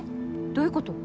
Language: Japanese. どういうこと？